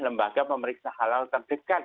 lembaga pemeriksa halal terdekat